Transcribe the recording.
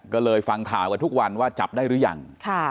ก็เลยฟังข่าวว่าจับได้รึยัง